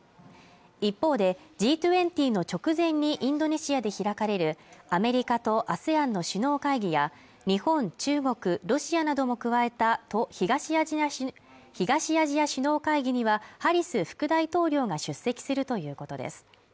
一方でＧ２０の直前にインドネシアで開かれるアメリカとＡＳＥＡＮの首脳会議や日本、中国、ロシアなども加えた東アジア首脳会議にはハリス副大統領が出席するということです